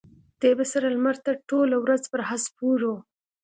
دی به سره لمر ته ټوله ورځ پر آس سپور و.